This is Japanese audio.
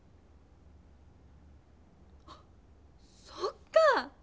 あそっか！